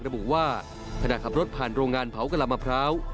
ระบุว่าขณะขับรถผ่านโรงงานเผากะละมะพร้าว